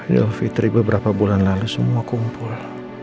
idul fitri beberapa bulan lalu semua kumpul